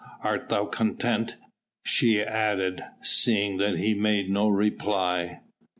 Art thou content?" she added, seeing that he made no reply.